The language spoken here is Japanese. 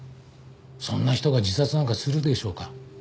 そんな人が自殺なんかするでしょうか？